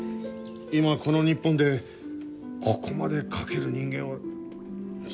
今この日本でここまで描ける人間は。